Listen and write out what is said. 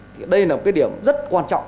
thì đây là một cái điểm rất quan trọng